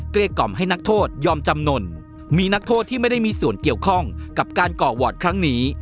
เรียกกล่อมให้นักโทษยอมจำนวนมีนักโทษที่ไม่ได้มีส่วนเกี่ยวข้องกับการก่อวอร์ดครั้งนี้